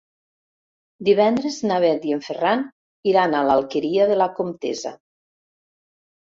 Divendres na Bet i en Ferran iran a l'Alqueria de la Comtessa.